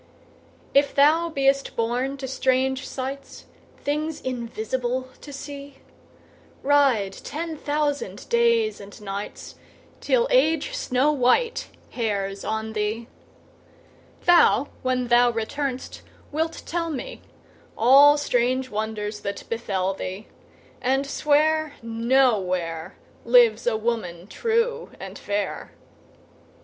If thou be'st born to strange sights, 10 Things invisible to see, Ride ten thousand days and nights Till Age snow white hairs on thee; Thou, when thou return'st, wilt tell me All strange wonders that befell thee, 15 And swear No where Lives a woman true and fair.